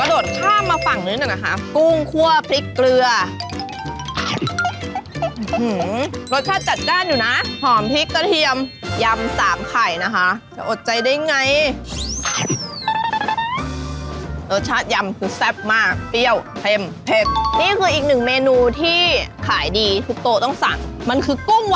เด้งอ่ะแล้วมันหวานจริงอ่ะทุกคน